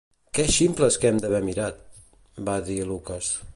"Què ximples que hem d'haver mirat", va dir Lucas.